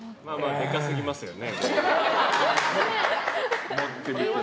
でかすぎますよね。